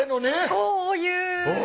こういう。